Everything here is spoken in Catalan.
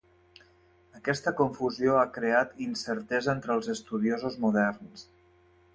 Aquesta confusió ha creat incertesa entre els estudiosos moderns.